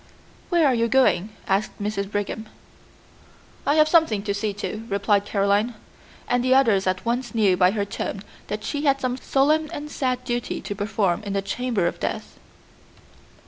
"Where are you going?" asked Mrs. Brigham. "I have something to see to," replied Caroline, and the others at once knew by her tone that she had some solemn and sad duty to perform in the chamber of death.